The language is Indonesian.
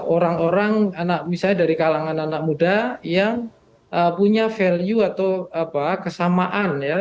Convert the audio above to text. orang orang anak misalnya dari kalangan anak muda yang punya value atau kesamaan ya